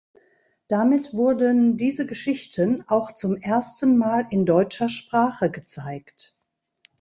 Damit wurden diese Geschichten auch zum ersten Mal in deutscher Sprache gezeigt.